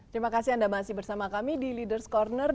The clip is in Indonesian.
terima kasih anda masih bersama kami di leaders' corner